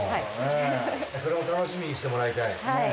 それも楽しみにしてもらいたい。